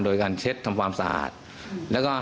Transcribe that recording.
โดยการเช็ดว่ามลูกตัวเลือด